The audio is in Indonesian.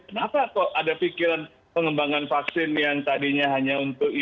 kenapa kok ada pikiran pengembangan vaksin yang tadinya hanya untuk